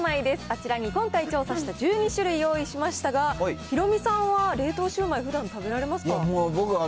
あちらに今回調査した１２種類用意しましたが、ヒロミさんは冷凍シュウマイ、ふだん食べられますか？